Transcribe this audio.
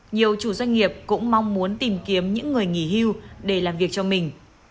nhiều chủ doanh nghiệp cũng mong muốn tìm kiếm những người nghỉ hưu để làm việc cho mình